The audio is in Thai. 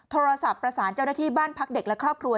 โทรศัพท์ประสานเจ้าหน้าที่บ้านพักเด็กและครอบครัว